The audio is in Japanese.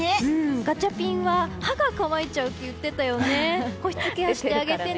ガチャピンは歯が乾いちゃうって言ってたよね。